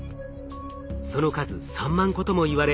その数３万個ともいわれ